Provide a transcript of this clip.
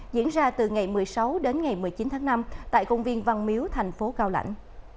diễn ra từ ngày một mươi sáu đến ngày một mươi chín tháng năm tại công viên văn miếu thành phố cao lãnh